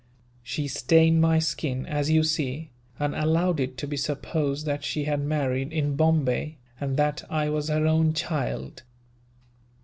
She stained my skin, as you see, and allowed it to be supposed that she had married in Bombay, and that I was her own child.